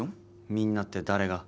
「みんな」って誰が？